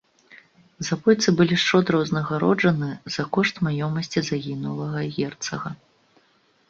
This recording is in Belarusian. Забойцы былі шчодра ўзнагароджаны за кошт маёмасці загінулага герцага.